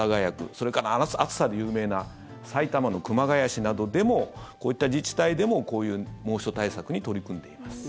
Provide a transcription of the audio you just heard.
それから、暑さで有名な埼玉の熊谷市などでもこういった自治体でも、こういう猛暑対策に取り組んでいます。